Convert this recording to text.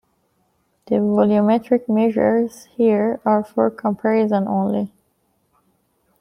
The volumetric measures here are for comparison only.